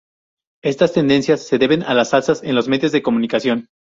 Estas tendencias se deben a las alzas en los medios de comunicación.